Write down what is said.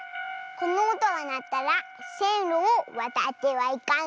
このおとがなったらせんろをわたってはいかんぞ。